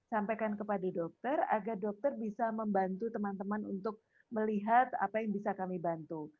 sampaikan kepada dokter agar dokter bisa membantu teman teman untuk melihat apa yang bisa kami bantu